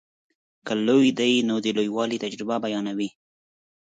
که لوی دی نو د لویوالي تجربه بیانوي.